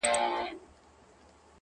ددې سايه به “پر تا خوره سي”